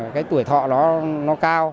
cái tuổi thọ nó cao